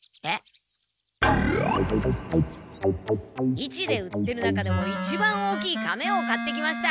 市で売ってる中でもいちばん大きいカメを買ってきました。